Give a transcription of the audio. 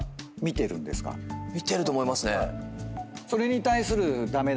見てると思いますね。